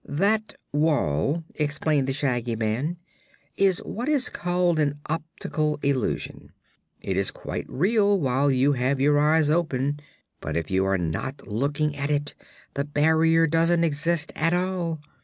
"That wall," explained the Shaggy Man, "is what is called an optical illusion. It is quite real while you have your eyes open, but if you are not looking at it the barrier doesn't exist at all.